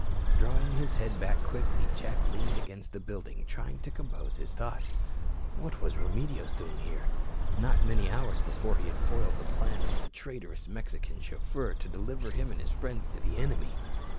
Drawing his head back quickly, Jack leaned against the building, trying to compose his thoughts. What was Remedios doing here? Not many hours before he had foiled the plan of the traitorous Mexican chauffeur to deliver him and his friends to the enemy.